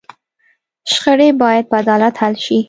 شخړې باید په عدالت حل شي.